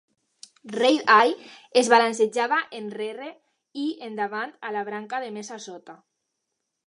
Red-Eye es balancejava enrere i endavant a la branca de més a sota.